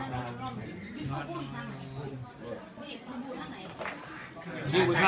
สวัสดีครับ